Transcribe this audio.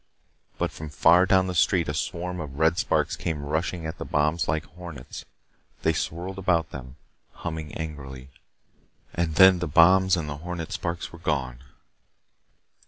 But from far down the street a swarm of red sparks came rushing at the bombs like hornets. They swirled about them, humming angrily. And then the bombs and the hornet sparks were gone.